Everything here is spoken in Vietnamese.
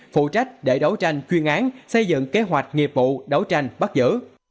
phụ trách để đấu tranh chuyên án xây dựng kế hoạch nghiệp vụ đấu tranh bắt giữ